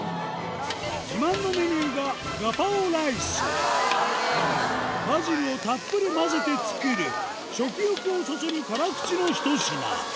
自慢のメニューがバジルをたっぷり混ぜて作る食欲をそそる辛口のひと品バジルが。